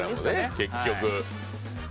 結局。